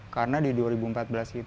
karena di dua ribu empat belas ini